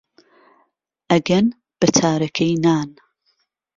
ئەگەن بە چارەکەی نان